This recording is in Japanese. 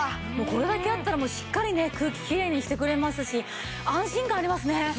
これだけあったらもうしっかりね空気キレイにしてくれますし安心感ありますね。